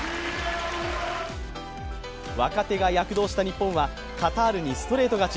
若手が躍動した日本はカタールにストレート勝ち。